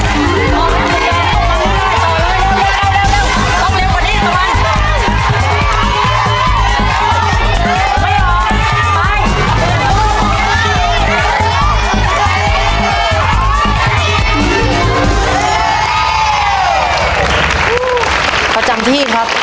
ประจำที่ครับ